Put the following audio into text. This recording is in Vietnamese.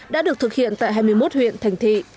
đã được thực hiện tại hai mươi một huyện thành thị